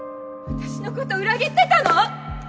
私のこと裏切ってたの！？